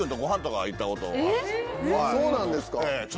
そうなんですか。